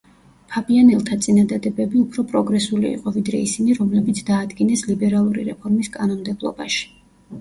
ფაბიანელთა წინადადებები უფრო პროგრესული იყო, ვიდრე ისინი, რომლებიც დაადგინეს ლიბერალური რეფორმის კანონმდებლობაში.